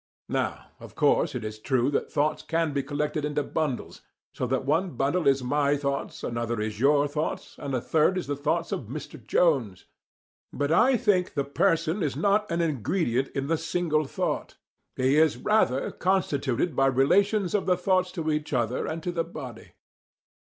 Now, of course it is true that thoughts can be collected into bundles, so that one bundle is my thoughts, another is your thoughts, and a third is the thoughts of Mr. Jones. But I think the person is not an ingredient in the single thought: he is rather constituted by relations of the thoughts to each other and to the body.